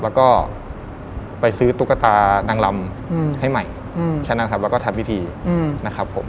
แล้วก็ไปซื้อตุ๊กตานางลำให้ใหม่แค่นั้นครับแล้วก็ทำพิธีนะครับผม